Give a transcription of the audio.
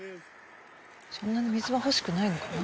そんなに水は欲しくないのかな？